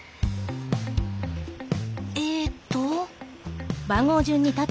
えっと。